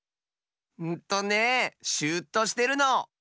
んとねシューッとしてるの！